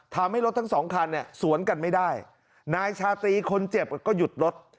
ทำให้รถทั้งสองคันเนี่ยสวนกันไม่ได้นายชาตรีคนเจ็บก็หยุดรถ